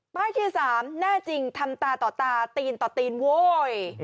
ที่๓แน่จริงทำตาต่อตาตีนต่อตีนโว้ย